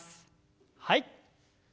はい。